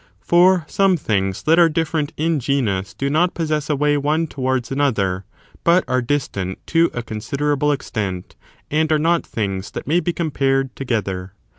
For some things that are different in genus do not possess a way one towards another, but are distant to a con siderable extent, and are not things that may be compared together.